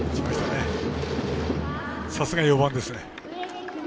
さすが４番ですね。